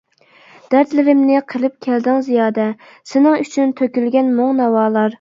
دەردلىرىمنى قىلىپ كەلدىڭ زىيادە، سېنىڭ ئۈچۈن تۆكۈلگەن مۇڭ ناۋالار.